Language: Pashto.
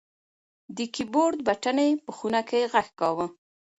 د کیبورډ بټنې په خونه کې غږ کاوه.